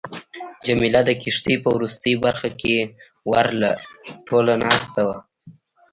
جميله د کښتۍ په وروستۍ برخه کې ورله ټوله ناسته وه.